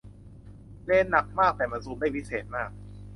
เลนส์หนักมากแต่มันซูมได้วิเศษมาก